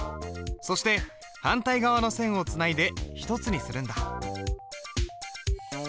そして反対側の線をつないで１つにするんだ。